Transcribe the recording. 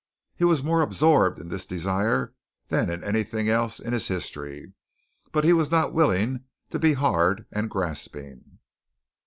He was more absorbed in this desire than in anything else in his history, but he was not willing to be hard and grasping.